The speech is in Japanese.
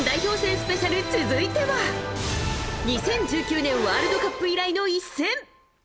スペシャル続いては２０１９年ワールドカップ以来の一戦。